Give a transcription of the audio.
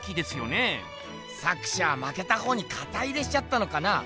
作者はまけたほうにかた入れしちゃったのかな？